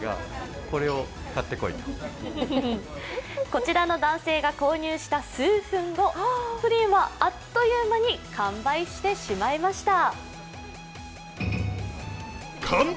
こちらの男性が購入した数分後、プリンはあっという間に完売してしまいました。